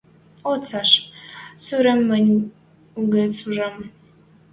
О цӓш! Сурам мӹнь угӹц ужам...